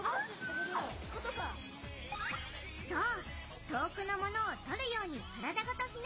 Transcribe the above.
そう！